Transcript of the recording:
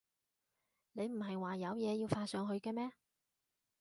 你唔喺話有嘢要發上去嘅咩？